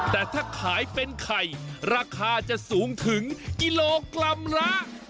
แต่ถ้าขายเป็นไข่ราคาจะสูงถึงกิโลกรัมละ